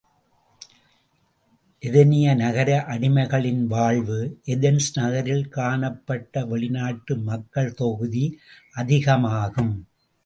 எதினிய நகர அடிமைகளின் வாழ்வு ஏதென்ஸ் நகரில் காணப்பட்ட வெளிநாட்டு மக்கள் தொகுதி அதிகமாகும்.